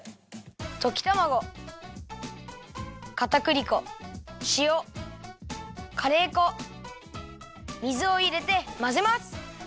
ときたまごかたくり粉しおカレー粉水をいれてまぜます！